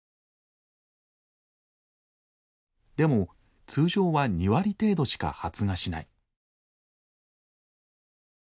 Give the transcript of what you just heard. でも通常は２割程度しか発芽しない。